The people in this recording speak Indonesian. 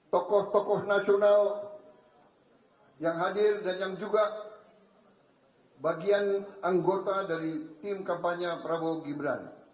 tokoh tokoh nasional yang hadir dan yang juga bagian anggota dari tim kampanye prabowo gibran